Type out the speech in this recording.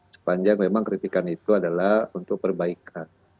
sepanjang memang kritikan itu adalah untuk perbaikan